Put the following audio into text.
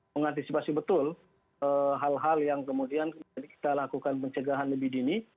mengantisipasi betul hal hal yang kemudian kita lakukan pencegahan lebih dini